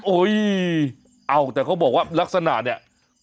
เอาแต่เขาบอกว่าลักษณะเนี่ย